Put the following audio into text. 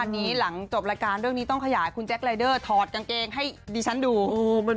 นี่พี่แจ็คได้จับ